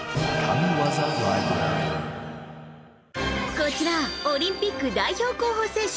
こちらオリンピック代表候補選手。